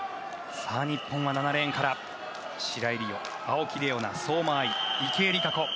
日本は７レーンから白井璃緒、青木玲緒樹相馬あい、池江璃花子。